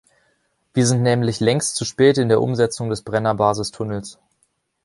Wir sind nämlich längst zu spät in der Umsetzung des Brenner-Basistunnels.